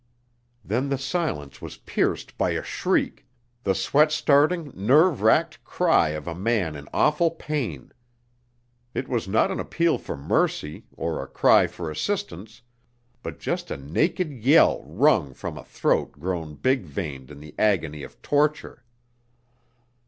Then the silence was pierced by a shriek, the sweat starting, nerve racked cry of a man in awful pain. It was not an appeal for mercy, or a cry for assistance, but just a naked yell wrung from a throat grown big veined in the agony of torture.